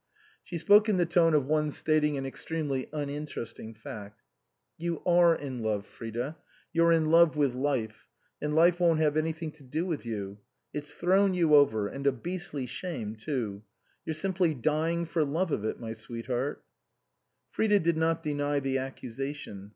She spoke in the tone of one stating an extremely uninteresting fact. " You are in love, Frida. You're in love with life, and life won't have anything to do with you ; it's thrown you over, and a beastly shame, too ! You're simply dying for love of it, my sweetheart." Frida did not deny the accusation.